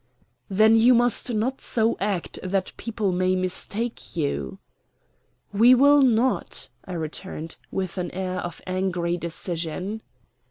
"Then you must not so act that people may mistake you." "We will not," I returned, with an air of angry decision.